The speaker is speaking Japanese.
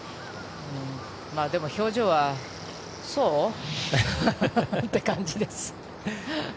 でも表情はそう？って感じです。